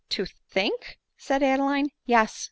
" To think ?" said Adeline. " Yes.